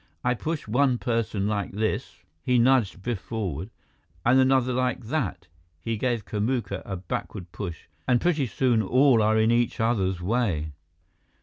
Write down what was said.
"I push one person like this" he nudged Biff forward "and another like that" he gave Kamuka a backward push "and pretty soon all are in each other's way."